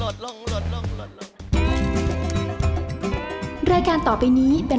สวัสดีครับพ่อแม่ผีน้อง